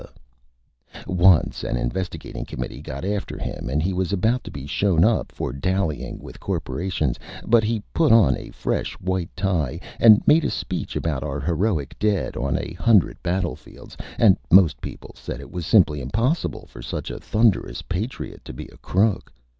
[Illustration: STATESMAN] Once an Investigating Committee got after him and he was about to be Shown Up for Dallying with Corporations, but he put on a fresh White Tie and made a Speech about our Heroic Dead on a Hundred Battle Fields, and Most People said it was simply Impossible for such a Thunderous Patriot to be a Crook.